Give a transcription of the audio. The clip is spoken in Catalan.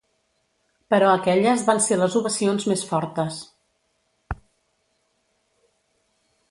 Però aquelles van ser les ovacions més fortes.